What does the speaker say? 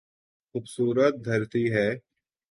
خوبصورت دھرتی ہے۔